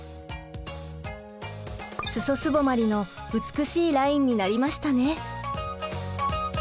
裾すぼまりの美しいラインになりましたね！